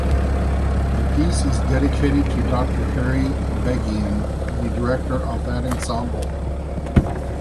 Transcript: The piece is dedicated to Doctor Harry Begian, the director of that ensemble.